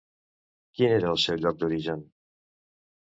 Quin era el seu lloc d'origen?